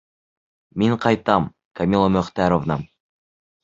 Мин ҡайтам, Камила Мөхтәровна...